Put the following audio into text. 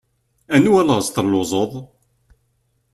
Anwa laẓ telluẓeḍ?